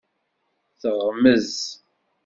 Teɣmez.